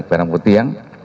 perang putih yang